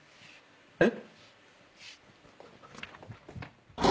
えっ？